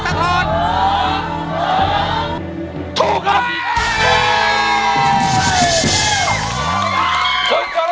คุณสรบงค์คุณภาพร้อมได้ให้ล้าง